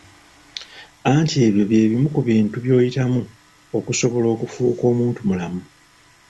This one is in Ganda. Anti ebyo bye bimu ku bintu by'oyitamu okusobala okufuuka omuntu mulamu.